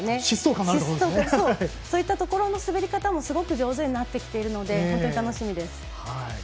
疾走感がありそういうところの滑り方もすごく上手になってきているので本当に楽しみです。